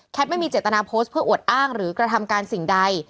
ไม่มีเจตนาโพสต์เพื่ออวดอ้างหรือกระทำการสิ่งใด